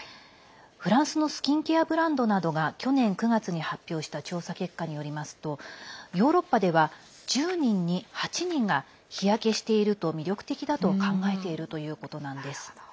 フランスのスキンケアブランドなどが去年９月に発表した調査結果によりますとヨーロッパでは１０人に８人が日焼けしていると魅力的だと考えているということなんです。